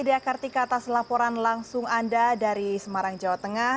diakartika atas laporan langsung anda dari semarang jawa tengah